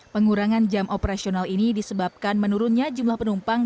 pengurangan jam operasional ini disebabkan menurunnya jumlah penumpang